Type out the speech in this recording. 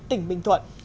tỉnh bình thuận